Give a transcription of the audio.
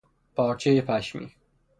پارچهی پشمی